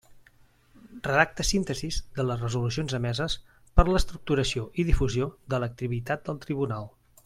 Redacta síntesis de les resolucions emeses per a l'estructuració i difusió de l'activitat del Tribunal.